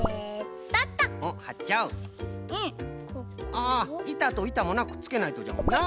ああいたといたもなくっつけないとじゃもんな。